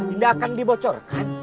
ini akan dibocorkan